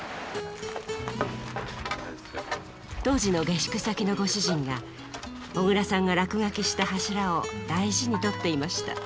当時の下宿先のご主人が小椋さんが落書きした柱を大事に取っていました。